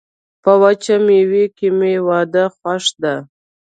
په وچه میوه کي مي واده خوښ ده.